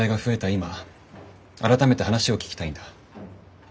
今改めて話を聞きたいんだ。